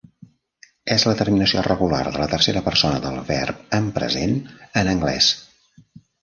És la terminació regular de la tercera persona del verb en present en anglès.